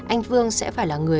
anh phương sẽ phải là người nói